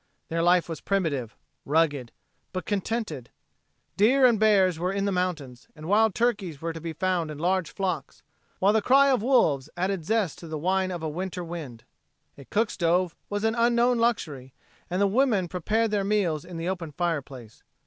Their life was primitive, rugged, but contented. Deer and bears were in the mountains, and wild turkeys were to be found in large flocks, while the cry of wolves added zest to the whine of a winter wind. A cook stove was an unknown luxury, and the women prepared their meals in the open fireplace.